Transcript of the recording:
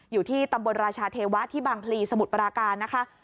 อยู่ที่ตำบลราชาเทวะที่บางพลีสมุทรปราการนะคะ